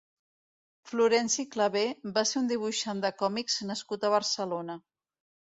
Florenci Clavé va ser un dibuixant de còmics nascut a Barcelona.